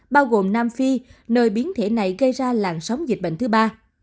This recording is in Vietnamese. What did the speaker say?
bao gồm nam phi nơi biến thể này gây ra làn sóng dịch bệnh thứ ba